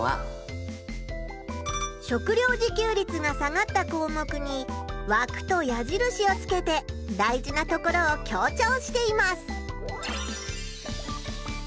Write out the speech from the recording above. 食料自給率が下がったこうもくにわくとやじるしをつけて大事なところを強調しています！